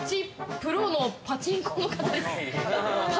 プロのパチンコの方ですか？